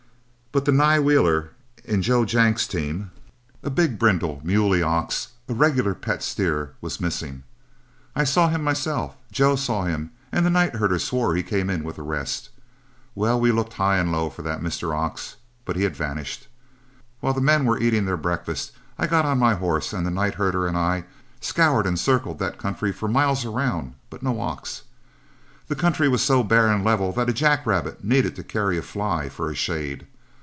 But the nigh wheeler in Joe Jenk's team, a big brindle, muley ox, a regular pet steer, was missing. I saw him myself, Joe saw him, and the night herder swore he came in with the rest. Well, we looked high and low for that Mr. Ox, but he had vanished. While the men were eating their breakfast, I got on my horse and the night herder and I scoured and circled that country for miles around, but no ox. The country was so bare and level that a jack rabbit needed to carry a fly for shade.